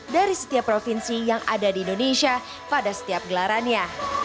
dari setiap provinsi yang ada di indonesia pada setiap gelarannya